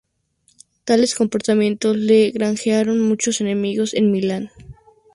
Tales comportamientos le granjearon muchos enemigos en Milán.